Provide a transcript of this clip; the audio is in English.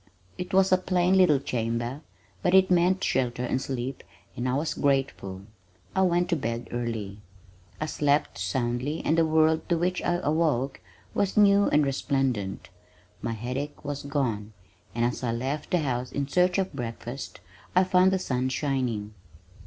It was a plain little chamber, but it meant shelter and sleep and I was grateful. I went to bed early. I slept soundly and the world to which I awoke was new and resplendent. My headache was gone, and as I left the house in search of breakfast I found the sun shining.